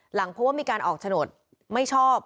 เพราะว่ามีการออกโฉนดไม่ชอบ